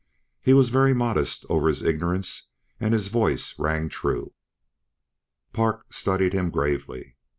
He was very modest over his ignorance, and his voice rang true. Park studied him gravely.